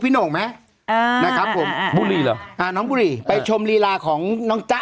โหน่งไหมอ่านะครับผมบุรีเหรออ่าน้องบุรีไปชมลีลาของน้องจ๊ะ